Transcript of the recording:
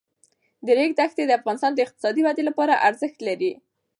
د ریګ دښتې د افغانستان د اقتصادي ودې لپاره ارزښت لري.